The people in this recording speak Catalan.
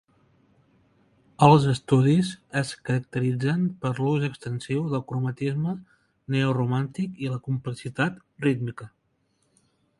Els estudis es caracteritzen per l'ús extensiu del cromatisme neoromàntic i la complexitat rítmica.